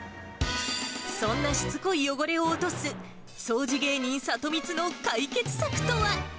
そんなしつこい汚れを落とす掃除芸人、サトミツの解決策とは。